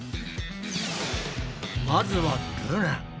まずはルナ。